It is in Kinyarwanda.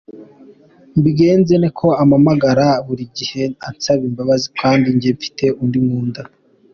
Mbigenze nte, ko ampamagara buri gihe ansabimbabazi kandi njye mfite undi nkunda.